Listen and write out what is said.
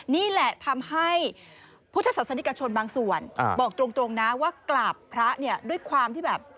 นี่แหละทำให้พุทธศาสนิกชนบางส่วนบอกตรงนะว่ากราบพระเนี่ยด้วยความที่แบบ